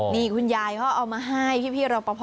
นี่คุณยายเขาเอามาให้พี่รอปภ